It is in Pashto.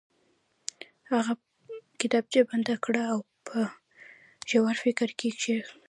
هغه کتابچه بنده کړه او په ژور فکر کې شو